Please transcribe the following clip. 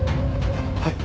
はい。